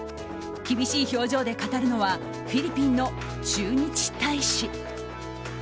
厳しい表情で語るのはフィリピンの駐日大使。